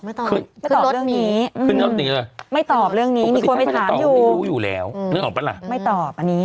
ไม่ตอบเรื่องนี้ไม่ตอบเรื่องนี้มีคนไปถามอยู่ไม่ตอบอันนี้